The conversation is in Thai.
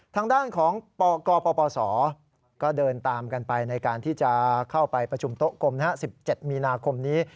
ทางด้านของปกปศก็เดินตามกันไปในการที่จะเข้าไปประชุมโต๊ะกลม๑๗มีนาคมนี้